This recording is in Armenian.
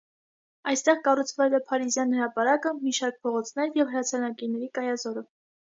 Այստեղ կառուցվել է փարիզյան հրապարակը, մի շարք փողոցներ և հրացանակիրների կայազորը։